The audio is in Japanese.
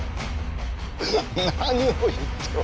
何を言っておる。